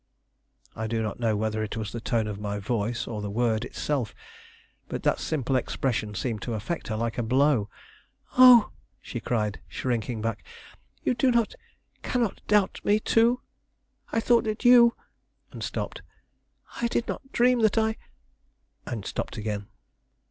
I do not know whether it was the tone of my voice or the word itself, but that simple expression seemed to affect her like a blow. "Oh!" she cried, shrinking back: "you do not, cannot doubt me, too? I thought that you " and stopped. "I did not dream that I " and stopped again.